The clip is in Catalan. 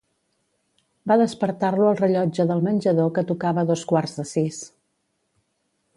Va despertar-lo el rellotge del menjador que tocava dos quarts de sis.